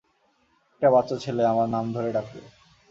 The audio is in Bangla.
একটা বাচ্চা ছেলে-আমার নাম ধরে ডাকল।